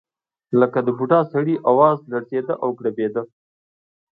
لکه د بوډا سړي اواز لړزېده او ګړبېده.